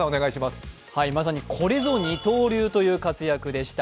まさに、これぞ二刀流という活躍でした。